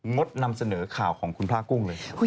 ดนำเสนอข่าวของคุณพระกุ้งเลย